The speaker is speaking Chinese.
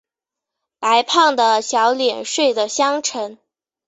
白胖的小脸睡的香沉